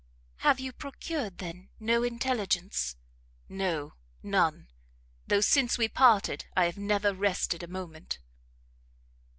"Have you procured, then, no intelligence?" "No, none; though since we parted I have never rested a moment."